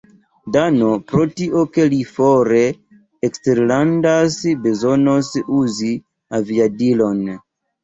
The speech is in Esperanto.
Dano, pro tio ke li fore eksterlandas, bezonos uzi aviadilon.